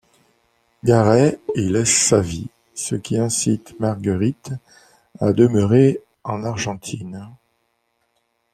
Garay y laisse sa vie, ce qui incite Marguerite à demeurer en Argentine.